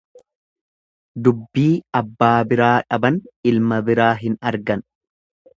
Dubbii abbaa biraa dhaban ilma biraa hin argan.